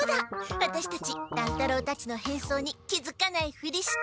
ワタシたち乱太郎たちの変装に気づかないふりして。